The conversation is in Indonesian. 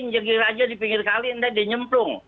ngejirir aja di pinggir kali nanti dinyemplung